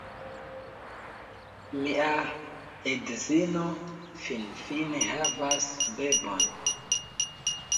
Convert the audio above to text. Mia edzino finfine havas bebon!